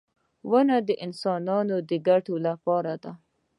• ونه د انسانانو د ګټې لپاره ده.